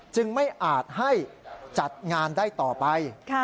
ไม่อาจให้จัดงานได้ต่อไป